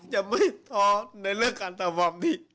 จะไม่ท้อในเรื่องการต่อแบบนี้